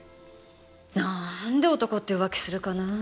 なんで男って浮気するかなぁ？